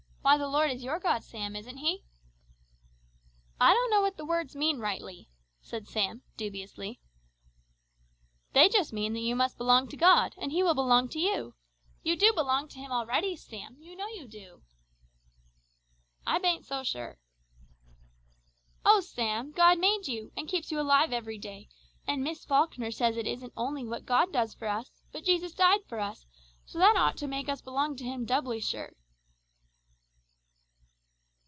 Why the Lord is your God, Sam, isn't He?" "I don't know what the words mean rightly," said Sam dubiously. "They just mean that you must belong to God, and He will belong to you. You do belong to Him already, Sam, you know you do!" "I bain't so sure." "Oh, Sam! God made you, and keeps you alive every day, and Miss Falkner says it isn't only what God does for us, but Jesus died for us, so that ought to make us belong to Him doubly sure!"